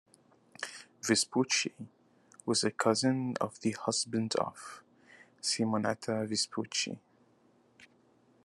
Vespucci was a cousin of the husband of Simonetta Vespucci.